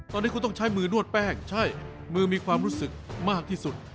ตอนนี้คุณต้องใช้มือนวดแป้งใช่มือมีความรู้สึกมากที่สุด